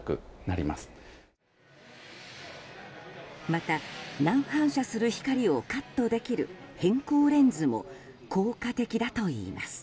また、乱反射する光をカットできる偏光レンズも効果的だといいます。